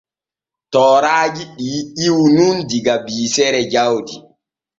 Tooraaji ɗi ƴiwu nun diga biisere jawdi.